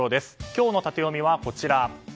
今日のタテヨミは、こちら。